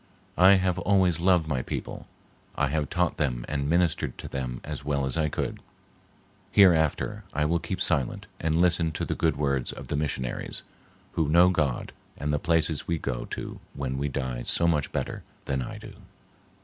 I have always loved my people. I have taught them and ministered to them as well as I could. Hereafter, I will keep silent and listen to the good words of the missionaries, who know God and the places we go to when we die so much better than I do."